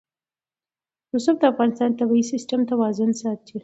رسوب د افغانستان د طبعي سیسټم توازن ساتي.